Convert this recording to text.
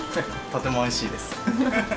とてもおいしいです。